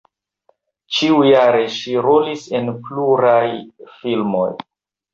Ĉiujare ŝi rolis en pluraj filmoj.